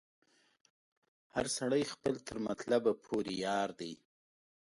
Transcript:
هر سړی خپل تر مطلبه پوري یار دی